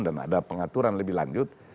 dan ada pengaturan lebih lanjut